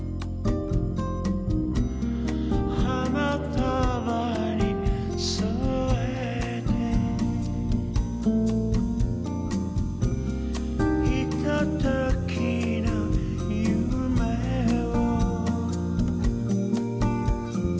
「花束に添えて」「ひとときの夢を」